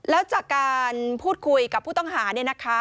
แล้วจากการพูดคุยกับผู้ต้องหาเนี่ยนะคะ